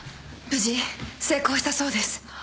無事成功したそうです。